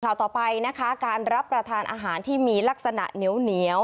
ข่าวต่อไปนะคะการรับประทานอาหารที่มีลักษณะเหนียว